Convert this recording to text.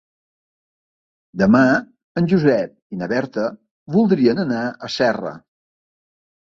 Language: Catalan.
Demà en Josep i na Berta voldrien anar a Serra.